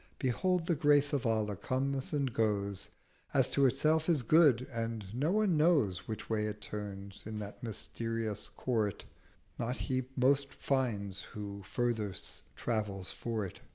Behold the Grace of Allah comes and goes As to Itself is good: and no one knows Which way it turns: in that mysterious Court Not he most finds who furthest travels for't.